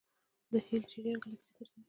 د هبل جریان ګلکسي ګرځوي.